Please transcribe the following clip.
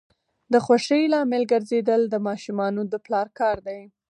د خوښۍ لامل ګرځیدل د ماشومانو د پلار کار دی.